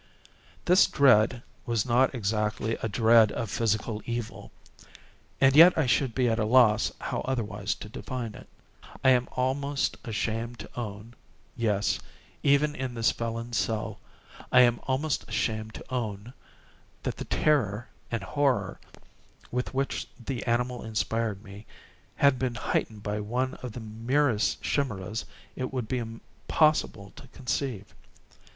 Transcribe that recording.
This dread was not exactly a dread of physical evil—and yet I should be at a loss how otherwise to define it. I am almost ashamed to own—yes, even in this felon's cell, I am almost ashamed to own—that the terror and horror with which the animal inspired me, had been heightened by one of the merest chimaeras it would be possible to conceive.